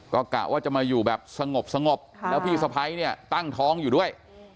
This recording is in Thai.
ก็กะว่าจะมาอยู่แบบสงบแล้วพี่สะพ้ายเนี่ยตั้งท้องอยู่ด้วย